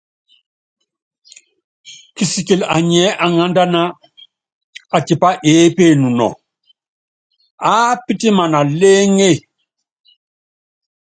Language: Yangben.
Kisikili anyiɛ́ aŋándána, atipá eépe nunɔ, aápítimana lééŋé.